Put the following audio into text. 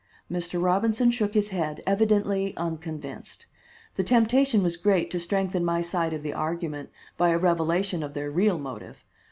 Mr. Robinson shook his head, evidently unconvinced. The temptation was great to strengthen my side of the argument by a revelation of their real motive.